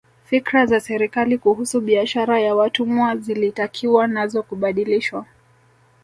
Fikra za serikali kuhusu biashara ya watumwa zilitakiwa nazo kubadilishwa